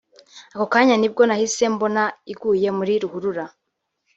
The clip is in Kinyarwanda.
ako kanya nibwo nahise mbona iguye muri ruhurura